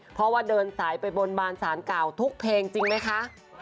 เพราะว่าเดินสายไปบนบานสารเก่าทุกเพลงจริงไหมคะ